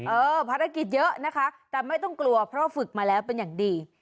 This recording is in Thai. ภารกิจเยอะนะคะแต่ไม่ต้องกลัวเพราะว่าฝึกมาแล้วเป็นอย่างดี